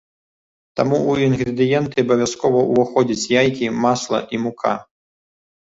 Таму ў інгрэдыенты абавязкова ўваходзяць яйкі, масла і мука.